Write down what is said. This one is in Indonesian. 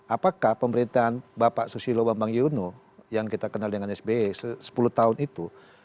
apakah pemerintahan bapak susilo bambang yuno yang kita kenal dengan sbe sepuluh tahun itu